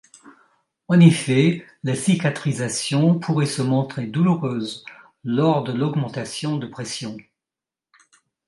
En effet, la cicatrisation pourrait se montrer douloureuse lors de l'augmentation de pression.